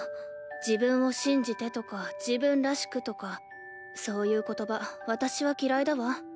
自分を信じてとか自分らしくとかそういう言葉私は嫌いだわ。